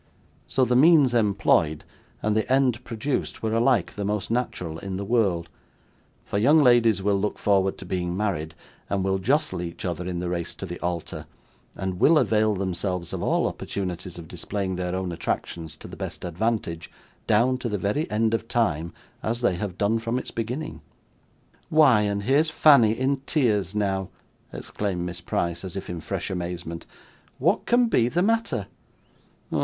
So the means employed, and the end produced, were alike the most natural in the world; for young ladies will look forward to being married, and will jostle each other in the race to the altar, and will avail themselves of all opportunities of displaying their own attractions to the best advantage, down to the very end of time, as they have done from its beginning. 'Why, and here's Fanny in tears now!' exclaimed Miss Price, as if in fresh amazement. 'What can be the matter?